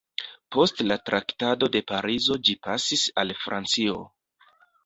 Post la Traktato de Parizo ĝi pasis al Francio.